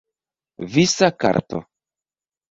Visa karto.